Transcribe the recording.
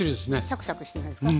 シャクシャクしてないですか？